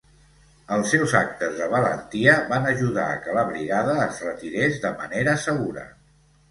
Els seus actes de valentia van ajudar a que la brigada es retirés de manera segura.